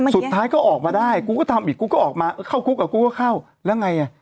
สุดท้ายก็ออกมาได้กูก็ทำอีกกูก็ออกมาเออเข้าคุกอ่ะกูก็เข้าแล้วไงอ่ะ